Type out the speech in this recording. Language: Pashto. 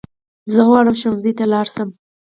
زه غواړم ښوونځی ته لاړ شم